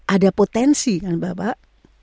ada potensi kan bapak